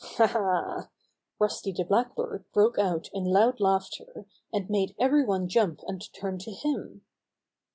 "Hal Ha!" Rusty the Blackbird broke out in loud laughter, and made every one jump and turn to him.